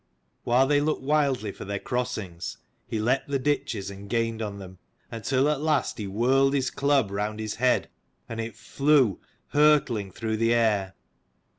While they looked wildly for their crossings, he leapt the ditches and gained on them, until at last he whirled his club round his head, and it flew hurtling through the air.